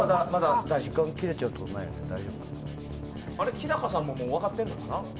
日高さんももう分かってるのかな？